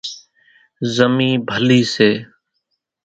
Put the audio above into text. زمِي ڀلِي سي۔